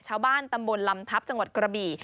ชาวบ้านตำบลลำทัพจังหวัดกระบี่